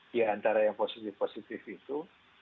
diantara yang positif positif itu